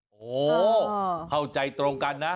โอ้โหเข้าใจตรงกันนะ